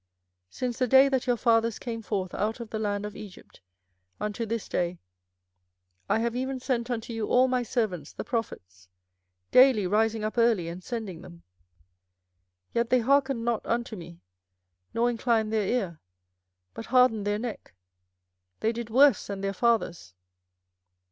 24:007:025 Since the day that your fathers came forth out of the land of Egypt unto this day I have even sent unto you all my servants the prophets, daily rising up early and sending them: 24:007:026 Yet they hearkened not unto me, nor inclined their ear, but hardened their neck: they did worse than their fathers.